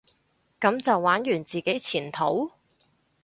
噉就玩完自己前途？